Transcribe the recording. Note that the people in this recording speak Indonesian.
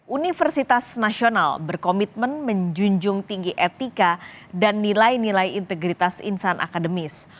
universitas nasional berkomitmen menjunjung tinggi etika dan nilai nilai integritas insan akademis